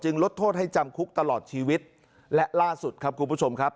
ลดโทษให้จำคุกตลอดชีวิตและล่าสุดครับคุณผู้ชมครับ